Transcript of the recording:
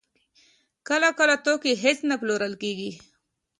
کله کله توکي هېڅ نه پلورل کېږي